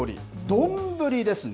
丼ですね。